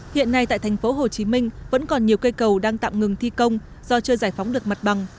hiện nay tại thành phố hồ chí minh vẫn còn nhiều cây cầu đang tạm ngừng thi công do chưa giải phóng được mặt bằng